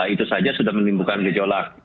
itu saja sudah menimbulkan gejolak